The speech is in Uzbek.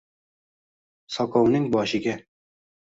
Soqovning boshiga